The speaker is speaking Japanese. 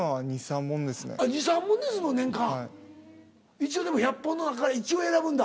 一応でも１００本の中から一応選ぶんだ。